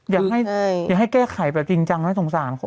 อยากให้แก้ไขแบบจริงจังนะสงสารเขา